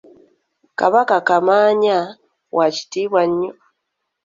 Kabaka Kamaanya wa kitiibwa nnyo.